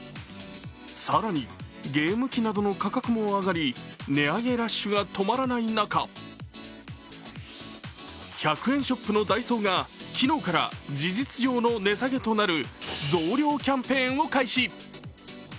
更に、ゲーム機などの価格も上がり値上げラッシュが止まらない中、１００円ショップのダイソーが昨日から事実上の値下げとなる増量キャンペーンを開始。